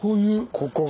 ここが。